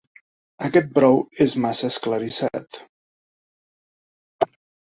Aquest brou és massa esclarissat.